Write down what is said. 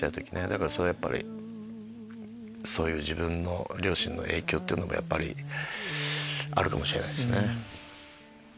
だからそういう自分の両親の影響っていうのはやっぱりあるかもしれないですね。